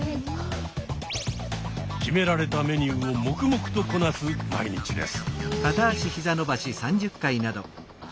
決められたメニューを黙々とこなす毎日です。